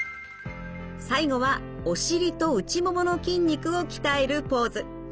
最後はお尻と内ももの筋肉を鍛えるポーズ。